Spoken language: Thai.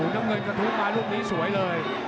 น้ำเงินกระทุบมาลูกนี้สวยเลย